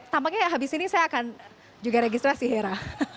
tampaknya habis ini saya akan juga registrasi hera